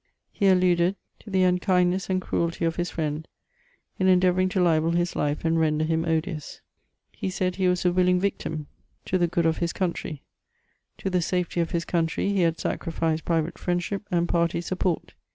He alluded to the unkindness and cruelty of his friend, in endeavouring to libel his life and render him odious. He said he was a willing victim to the good of his 442 MEMOIRS OF conntiy. To the safety of haa eoaniry, he had saciifieed private finendahip and party siipport.